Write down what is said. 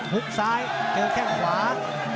หึ้ดซ้ายเจอแค่ขวา